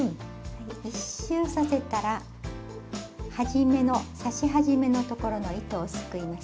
１周させたら刺し始めの所の糸をすくいます。